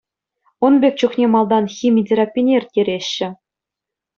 Ун пек чухне малтан хими терапине ирттереҫҫӗ.